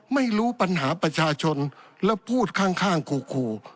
ไม่รู้ปัญหาประชาชนแล้วพูดข้างขู่